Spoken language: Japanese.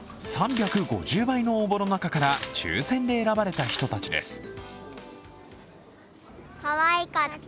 ３５０倍の応募の中から抽選で選ばれた人たちです。